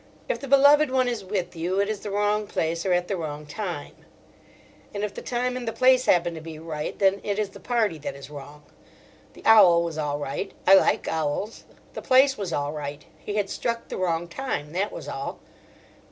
If the beloved one is with you, it is the wrong place or at the wrong time; and if the time and the place happen to be right, then it is the party that is wrong. The owl was all right: I like owls. The place was all right. He had struck the wrong time, that was all.